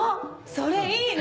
それいいね！